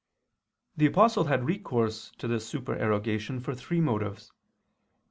The Apostle had recourse to this supererogation for three motives.